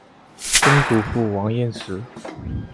曾祖父王彦实。